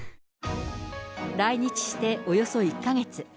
来日しておよそ１か月。